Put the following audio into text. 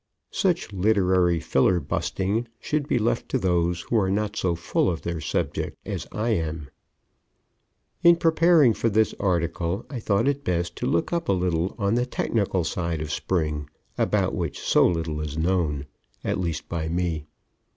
Such literary fillerbusting should be left to those who are not so full of their subject as I am. In preparing for this article, I thought it best to look up a little on the technical side of Spring, about which so little is known, at least by me.